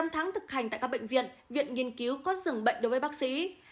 một mươi tám tháng thực hành tại các bệnh viện viện nghiên cứu có dường bệnh đối với bác sĩ